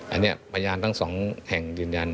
อันนี้ประญาณทั้ง๒แห่งยืนยัน